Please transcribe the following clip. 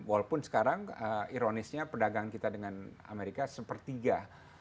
walaupun sekarang ironisnya perdagangan kita dengan amerika sepertiga